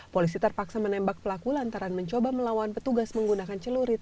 polisi terpaksa menembak pelaku lantaran mencoba melawan petugas menggunakan celurit